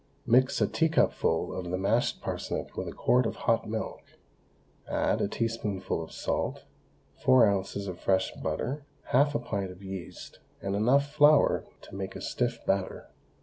Mix a teacupful of the mashed parsnip with a quart of hot milk, add a teaspoonful of salt, four ounces of fresh butter, half a pint of yeast, and enough flour to make a stiff batter.